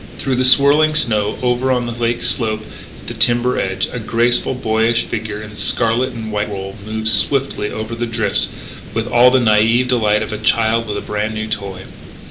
Through the swirling snow, over on the lake slope at the timber edge, a graceful, boyish figure in scarlet and white wool moved swiftly over the drifts with all the naïve delight of a child with a brand new toy.